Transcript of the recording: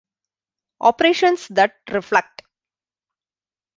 Operations that reflect.